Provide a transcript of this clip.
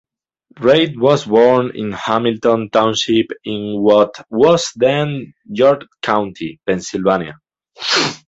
Reid was born in Hamilton Township in what was then York County, Pennsylvania.